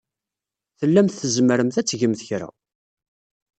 Tellamt tzemremt ad tgemt kra.